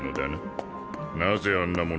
なぜあんなものが？